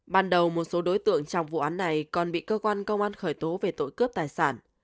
ban đầu một số đối tượng trong vụ án này còn bị cơ quan công an khởi tố về tội cướp tài sản